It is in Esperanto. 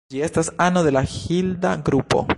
Ĝi estas ano de la Hilda grupo.